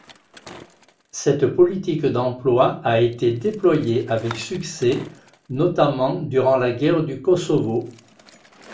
Cette politique d'emploi a été déployée avec succès, notamment durant la guerre du Kosovo.